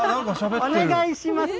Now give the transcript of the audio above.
お願いします。